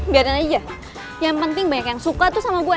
biarin aja yang penting banyak yang suka tuh sama gue